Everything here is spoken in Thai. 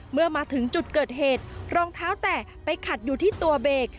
เมื่อมาถึงจุดเกิดเหตุรองเท้าแตะไปขัดอยู่ที่ตัวเบรก